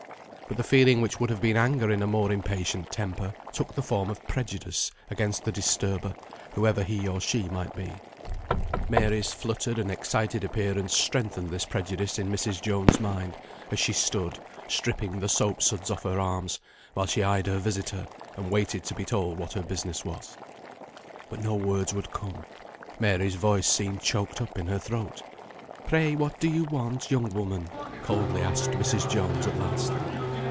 But the feeling which would have been anger in a more impatient temper, took the form of prejudice against the disturber, whoever he or she might be. Mary's fluttered and excited appearance strengthened this prejudice in Mrs. Jones's mind, as she stood, stripping the soap suds off her arms, while she eyed her visitor, and waited to be told what her business was. But no words would come. Mary's voice seemed choked up in her throat. "Pray what do you want, young woman?" coldly asked Mrs. Jones at last.